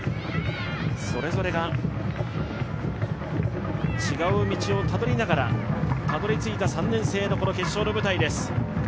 それぞれが違う道をたどりながら、たどりついた３年生の決勝の舞台です。